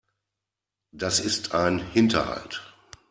Das ist ein Hinterhalt.